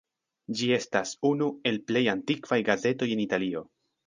Ĝi estas unu el plej antikvaj gazetoj en Italio.